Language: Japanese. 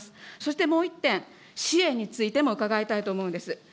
そしてもう１点、支援についても伺いたいと思うんです。